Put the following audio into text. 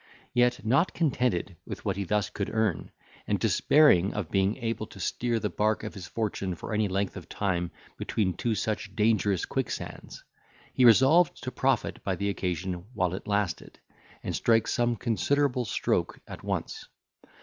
Yet, not contented with what he thus could earn, and despairing of being able to steer the bark of his fortune for any length of time between two such dangerous quicksands, he resolved to profit by the occasion while it lasted, and strike some considerable stroke at once.